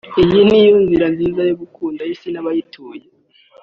Iyi niyo nzira nziza yo gukunda isi n’abayituye